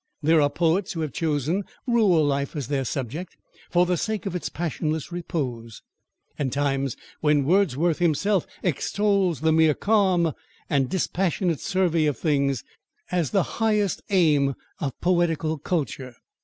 There are poets who have chosen rural life as their subject, for the sake of its passionless repose, and times when Wordsworth himself extols the mere calm and dispassionate survey of things as the highest aim of poetical culture.